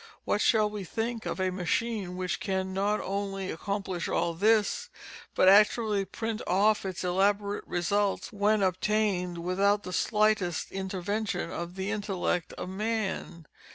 What shall we think of a machine which can not only accomplish all this, but actually print off its elaborate results, when obtained, without the slightest intervention of the intellect of man?